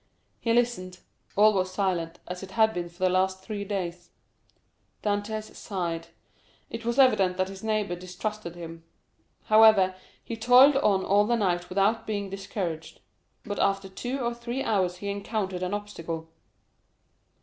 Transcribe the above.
He listened—all was silent, as it had been for the last three days. Dantès sighed; it was evident that his neighbor distrusted him. However, he toiled on all the night without being discouraged; but after two or three hours he encountered an obstacle.